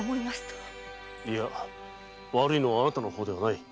悪いのはあなたの方ではない。